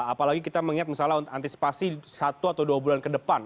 apalagi kita mengingat misalnya untuk antisipasi satu atau dua bulan ke depan